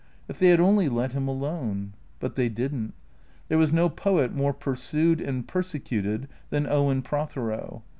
If they had only let him alone. But they did n't. There was no poet more pursued and per secuted than Owen Prothero.